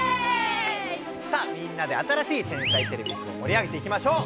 さあみんなで新しい「天才てれびくん」をもり上げていきましょう！